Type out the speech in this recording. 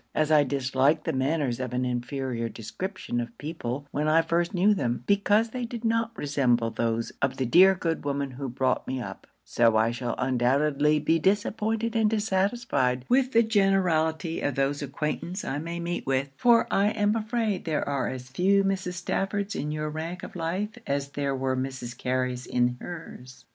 As I disliked the manners of an inferior description of people when I first knew them, because they did not resemble those of the dear good woman who brought me up; so I shall undoubtedly be disappointed and dissatisfied with the generality of those acquaintance I may meet with; for I am afraid there are as few Mrs. Staffords in your rank of life as there were Mrs. Careys in hers.